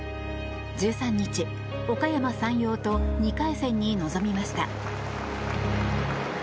１３日、おかやま山陽と２回戦に臨みました。